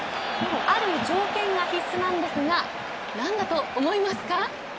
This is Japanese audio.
ある条件が必須なんですが何だと思いますか。